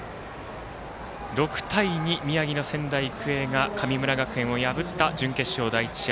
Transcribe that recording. ６対２、宮城の仙台育英が神村学園を破った準決勝第１試合。